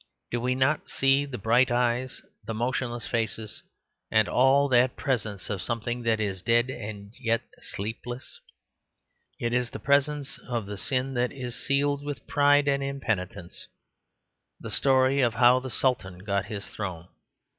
Do we not see the bright eyes, the motionless faces, and all that presence of something that is dead and yet sleepless? It is the presence of the sin that is sealed with pride and impenitence; the story of how the Sultan got his throne.